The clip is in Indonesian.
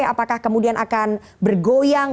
apakah kemudian akan bergoyang